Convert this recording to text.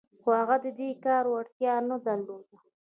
خو هغه د دې کار وړتيا نه درلوده.